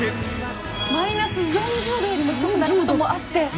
マイナス４０度よりも低くなることもあって。